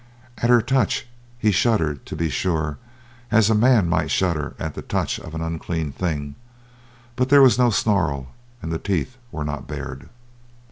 At her touch he shuddered, to be sure, as a man might shudder at the touch of an unclean thing, but there was no snarl, and the teeth were not bared.